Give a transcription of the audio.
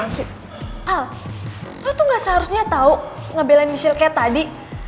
al lo tuh gak seharusnya tau ngebelain michelle kayak tadi